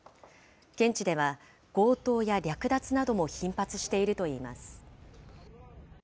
現地では強盗や略奪なども頻発しているといいます。